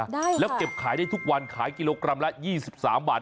ได้แล้วเก็บขายได้ทุกวันขายกิโลกรัมละ๒๓บาท